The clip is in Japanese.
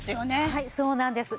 はいそうなんです。